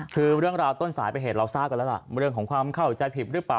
คือเรื่องราวต้นสายผมมีเหตุที่ท่านเข้าใจผิดหรือหรือเปล่า